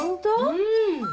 うん。